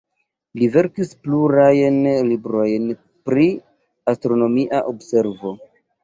Li verkis plurajn librojn pri astronomia observo.